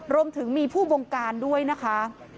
รวมถึงมีผู้บงการด้วยนะคะ